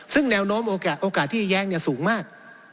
ซึ่งแนวโน้มโอกาสที่แย้งสูงมาก